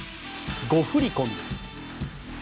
誤振り込み。